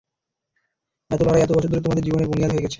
এই লড়াই এত বছর ধরে তোমার জীবনের বুনিয়াদ হয়ে গেছে।